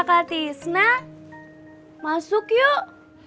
kakak tisna masuk yuk